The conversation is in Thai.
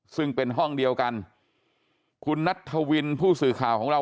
ซึ่งเป็นห้องเดียวกันคุณนัทธวินผู้สื่อข่าวของเรา